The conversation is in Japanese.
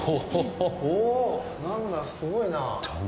何だ、すごいな。